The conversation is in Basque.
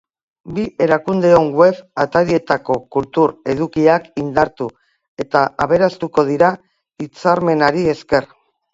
Bi erakundeon web atarietako kultur edukiak indartu eta aberastuko dira hitzarmenari esker.